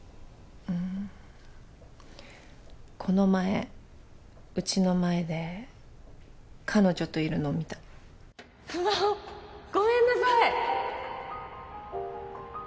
うんこの前うちの前で彼女といるの見たスマホごめんなさい